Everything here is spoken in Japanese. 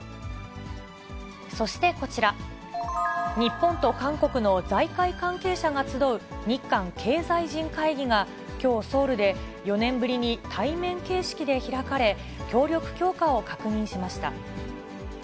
そしてこちら、日本と韓国の財界関係者が集う、日韓経済人会議がきょう、ソウルで４年ぶりに対面形式で開かれ、協力強化を確認しました。